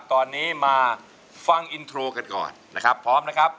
ตอนนี้มาฟังอินโทรกันก่อนนะครับพร้อมนะครับ